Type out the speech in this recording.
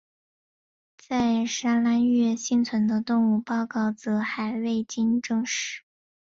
在砂拉越幸存的动物报告则还未经证实。